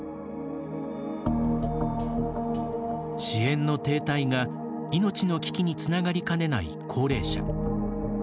支援の停滞が命の危機につながりかねない高齢者。